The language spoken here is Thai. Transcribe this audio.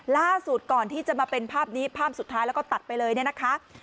ถ้าสูตรก่อนที่จะมาเป็นภาพนี้ภาพสุดท้ายแล้วก็ตัดไปเลยนะครับ